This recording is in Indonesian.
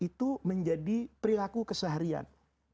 itu menjadi perilaku keseharian